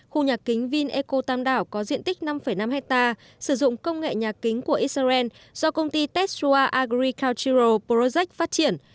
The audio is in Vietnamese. khu nhà kính vineco tam đảo có diện tích năm năm hectare sử dụng công nghệ nhà kính của israel do công ty tetsua agricultural project phát triển